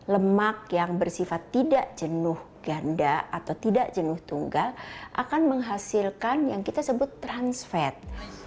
lemak yang bersifat tidak jenduh ganda atau tidak jenduh tunggal akan menghasilkan yang kita sebut trans fat